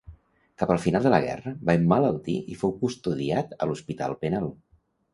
Cap al final de la guerra va emmalaltir i fou custodiat a l'hospital penal.